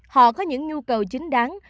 họ có những nhu cầu chính đáng